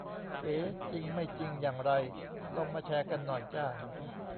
เอ๋ ! ? จริงไม่จริงอย่างไร ลองมาแชร์กันหน่อยจ้า